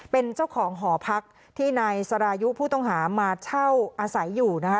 เป็นเจ้าของหอพักที่นายสรายุผู้ต้องหามาเช่าอาศัยอยู่นะคะ